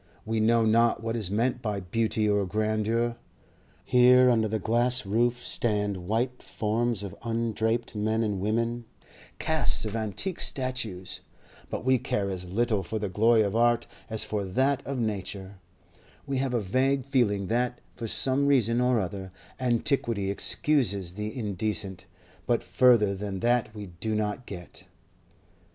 We know not what is meant by beauty or grandeur. Here under the glass roof stand white forms of undraped men and women—casts of antique statues—but we care as little for the glory of art as for that of nature; we have a vague feeling that, for some reason or other, antiquity excuses the indecent, but further than that we do not get.